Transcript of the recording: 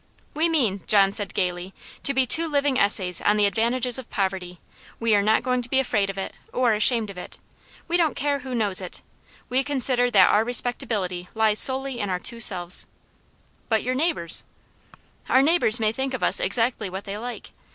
"We mean," John said gaily, "to be two living Essays on the Advantages of Poverty. We are not going to be afraid of it or ashamed of it. We don't care who knows it. We consider that our respectability lies solely in our two selves." "But your neighbours?" "Our neighbours may think of us exactly what they like.